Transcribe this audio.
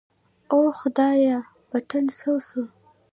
اوه خدايه بټن څه سو.